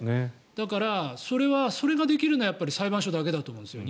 だから、それができるのは裁判所だけだと思うんですよ